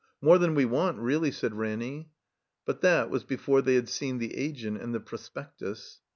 More than we want, really," said Ranny. But that was before they had seen the Agent and the Prospectus.